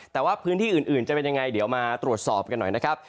แต่ว่าพื้นที่อื่นจะเป็นยังไงเดี๋ยวมาตรวจสอบกันหน่อยนะครับ